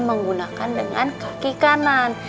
menggunakan dengan kaki kanan